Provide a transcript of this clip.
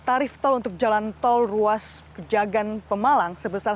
tarif tol untuk jalan tol ruas pejagaan pemalang sebesar rp satu